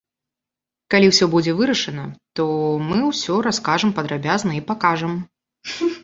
Калі ўсё будзе вырашана, то мы ўсё раскажам падрабязна і пакажам.